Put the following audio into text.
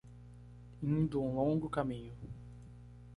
Indo um longo caminho